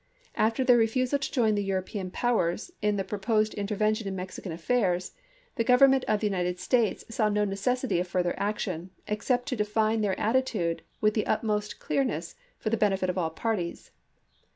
After their refusal to join the European powers in the pro posed intervention in Mexican affairs, the Govern ment of the United States saw no necessity of further action, except to define their attitude with the utmost clearness for the benefit of all parties.